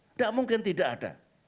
tidak mungkin tidak ada